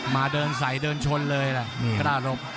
มาเดินใส่เดินชนเลยล่ะกล้าหลบ